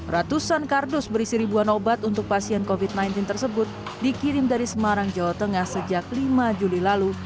ratusan kardus berisi ribuan obat untuk pasien covid sembilan belas tersebut dikirim dari semarang jawa tengah sejak lima juli lalu